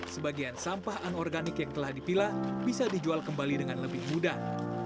sebagian sampah anorganik yang telah dipilah bisa dijual kembali dengan lebih mudah